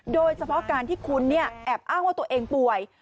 โดยเฉพาะการที่คุณแอบอ้างว่าตัวเองป่วย